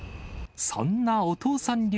そんなお父さん流